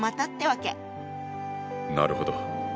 なるほど。